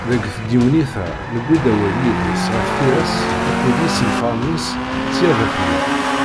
Deg tdiwennit-a, newwi-d awal yid-s ɣef tira-s akked yisenfaren-is sya d afella.